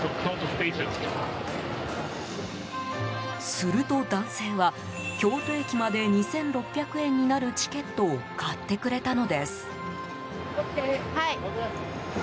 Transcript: すると男性は京都駅まで２６００円になるチケットを買ってくれたのです。